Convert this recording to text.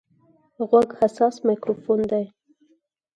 غوږ حساس مایکروفون دی.